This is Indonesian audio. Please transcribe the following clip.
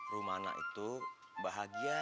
rumah anak itu bahagia